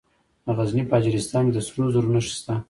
د غزني په اجرستان کې د سرو زرو نښې شته.